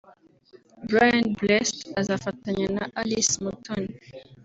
Brian Blessed azafatanya na Alice Umutoni